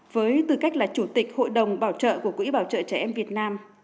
với tư cách là chủ tịch hội đồng bảo trợ của quỹ bảo trợ trẻ em việt nam